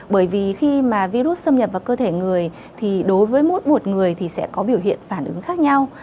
bởi vì khi mà virus xâm nhập vào cơ thể người thì đối với mỗi một người thì sẽ có biểu hiện phản ứng khác nhau